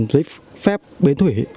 giấy phép bến thủy